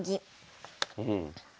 うん。